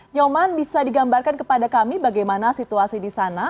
nyoman bisa digambarkan kepada kami bagaimana situasi di sana